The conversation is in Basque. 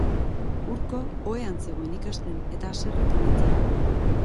Urko ohean zegoen ikasten eta haserretu nintzen.